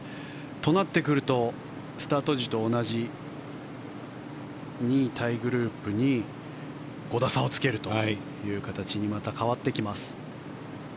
となってくるとスタート時と同じ２位タイグループに５打差をつけるという形にまた変わってきます。